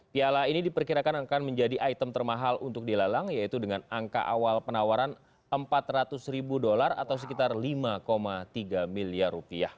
piala ini diperkirakan akan menjadi item termahal untuk dilalang yaitu dengan angka awal penawaran empat ratus ribu dolar atau sekitar lima tiga miliar rupiah